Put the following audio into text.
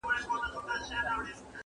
سپینو پلوشو یې باطل کړي منترونه دي!